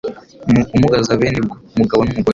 ni ukumugaza bene bwo, umugabo n’umugore